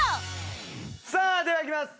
さあではいきます。